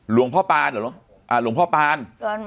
หลวงพ่อปานครับหลวงพ่อปานเหรอหลวงพ่อปาน